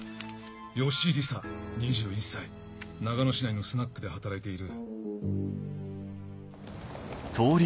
吉井リサ２１歳長野市内のスナックで働いている。